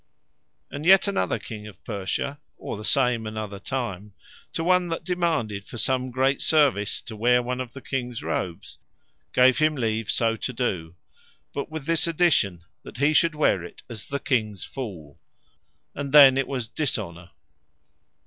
And yet another King of Persia, or the same another time, to one that demanded for some great service, to weare one of the Kings robes, gave him leave so to do; but with his addition, that he should weare it as the Kings foole; and then it was Dishonour.